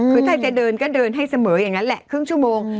คือถ้าจะเดินก็เดินให้เสมออย่างนั้นแหละครึ่งชั่วโมง